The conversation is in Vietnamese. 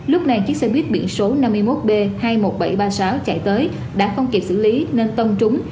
lúc này chiếc xe buýt biển số năm mươi một b hai mươi một nghìn bảy trăm ba mươi sáu chạy tới đã không kịp xử lý nên tông trúng